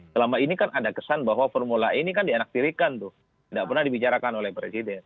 selama ini kan ada kesan bahwa formula e ini kan dianaktirikan tuh tidak pernah dibicarakan oleh presiden